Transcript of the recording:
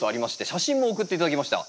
写真も送って頂きました。